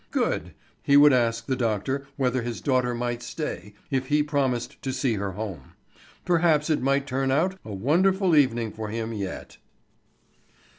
Good! He would ask the doctor whether his daughter might stay, if he promised to see her home. Perhaps it might turn out a wonderful evening for him yet.